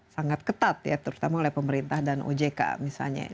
sangat ketat ya terutama oleh pemerintah dan ojk misalnya